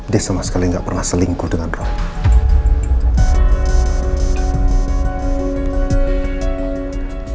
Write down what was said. dia sama sekali gak pernah selingkuh dengan ron